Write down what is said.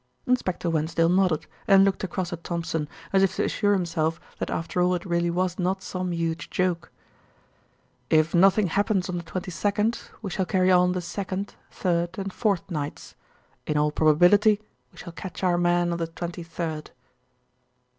Inspector Wensdale nodded and looked across at Thompson, as if to assure himself that after all it really was not some huge joke. "If nothing happens on the 22nd, we shall carry on the second, third, and fourth nights. In all probability we shall catch our man on the 23rd."